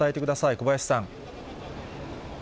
小林さん。